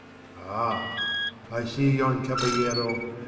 Ah! I see yon caballero.